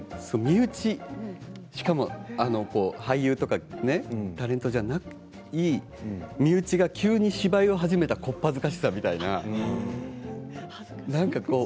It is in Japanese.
親とかきょうだいとか、身内しかも俳優とかタレントじゃなく身内が急に芝居を始めた小っ恥ずかしさみたいな。